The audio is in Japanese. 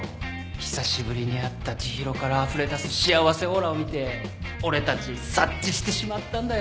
久しぶりに会った知博からあふれ出す幸せオーラを見て俺たち察知してしまったんだよ。